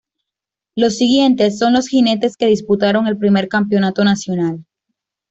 Los siguientes son los jinetes que disputaron el primer campeonato nacional.